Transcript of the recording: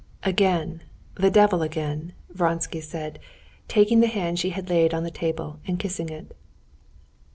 "Again, the devil again," Vronsky said, taking the hand she had laid on the table and kissing it.